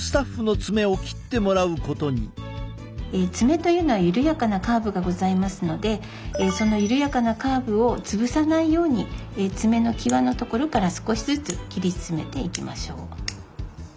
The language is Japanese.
爪というのは緩やかなカーブがございますのでその緩やかなカーブを潰さないように爪の際の所から少しずつ切り進めていきましょう。